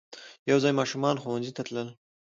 یو ځای ماشومان ښوونځی ته تلل.